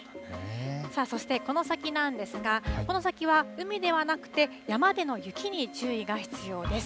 さあ、そしてこの先なんですがこの先は海ではなくて山での雪に注意が必要です。